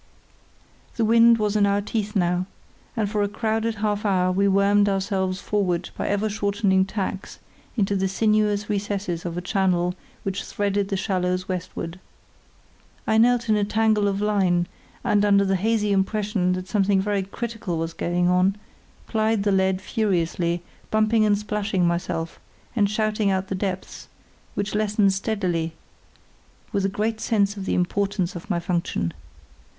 The wind was in our teeth now, and for a crowded half hour we wormed ourselves forward by ever shortening tacks into the sinuous recesses of a channel which threaded the shallows westward. I knelt in a tangle of line, and, under the hazy impression that something very critical was going on, plied the lead furiously, bumping and splashing myself, and shouting out the depths, which lessened steadily, with a great sense of the importance of my function.